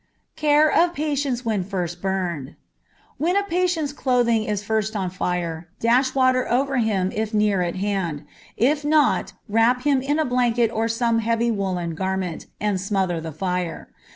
Care of Patients when First Burned. When a patient's clothing is first on fire, dash water over him if near at hand, if not wrap him in a blanket or some heavy woollen garment, and smother the fire.